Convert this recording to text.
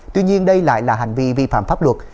tuy nhiên đây lại là hành vi vi phạm pháp luật